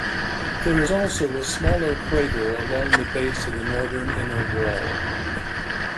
There is also a smaller crater along the base of the northern inner wall.